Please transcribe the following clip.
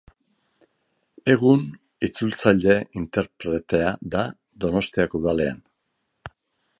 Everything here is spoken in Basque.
Egun itzultzaile-interpretea da Donostiako Udalean.